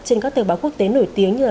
trên các tờ báo quốc tế nổi tiếng như